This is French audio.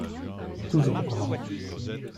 Toujours brave